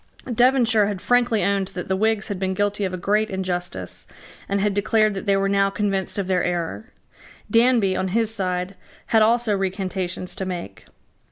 Devonshire had frankly owned that the Whigs had been guilty of a great injustice, and had declared that they were now convinced of their error. Danby, on his side, had also recantations to make.